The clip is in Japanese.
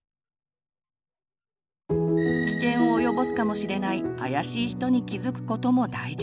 危険を及ぼすかもしれない「あやしい人」に気付くことも大事。